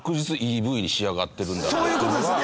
そういうことです。